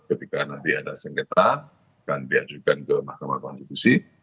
ketika nanti ada sengketa dan diajukan ke mahkamah konstitusi